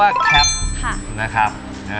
อียมขอบคุณครับ